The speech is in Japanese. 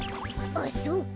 あっそうか。